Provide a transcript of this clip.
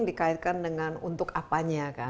dikaitkan dengan untuk apanya kan